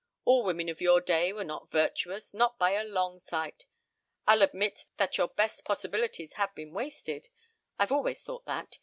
All women of your day were not virtuous not by a long sight. I'll admit that your best possibilities have been wasted; I've always thought that.